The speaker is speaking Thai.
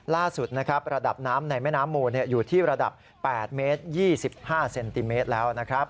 ล่าสุดนะครับระดับน้ำในแม่น้ำมูลอยู่ที่ระดับ๘เมตร๒๕เซนติเมตรแล้วนะครับ